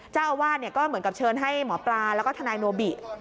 เจ้าอาวาสก็เหมือนกับเชิญให้หมอปลาแล้วก็ทนายโนบิ